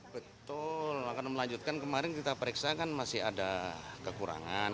betul akan melanjutkan kemarin kita periksa kan masih ada kekurangan